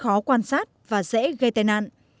khó quan sát và dễ gây tai nạn